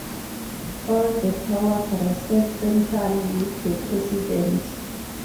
All the powers rested centrally with the President.